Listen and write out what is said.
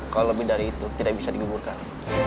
kalau lebih dari itu tidak bisa digugurkan